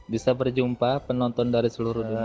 bisa berjumpa penonton dari seluruh dunia